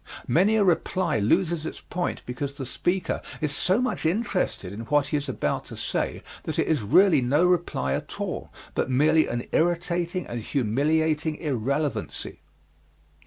Many a reply loses its point because the speaker is so much interested in what he is about to say that it is really no reply at all but merely an irritating and humiliating irrelevancy.